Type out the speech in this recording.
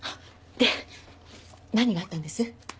で何があったんです？